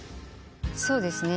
そうですね。